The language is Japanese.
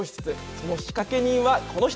その仕掛け人は、この人。